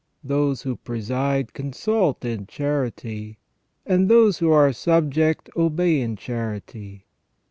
Those who preside consult in charity, and those who are subject obey in charity.